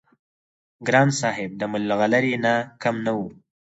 ګران صاحب د ملغلرې نه کم نه وو-